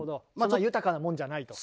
そんな豊かなもんじゃないと。